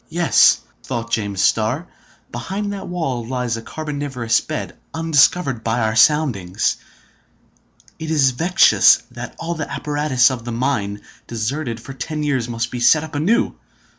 "Yes," thought James Starr, "behind that wall lies a carboniferous bed, undiscovered by our soundings. It is vexatious that all the apparatus of the mine, deserted for ten years, must be set up anew.